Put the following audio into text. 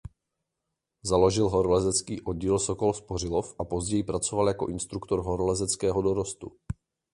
Založil horolezecký oddíl Sokol Spořilov a později pracoval jako instruktor horolezeckého dorostu.